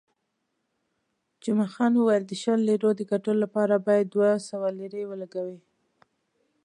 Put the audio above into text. جمعه خان وویل، د شلو لیرو د ګټلو لپاره باید دوه سوه لیرې ولګوې.